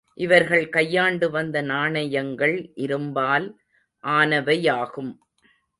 இவர்கள் கையாண்டுவந்த நாணயங்கள் இரும்பால் ஆனவையாகும்.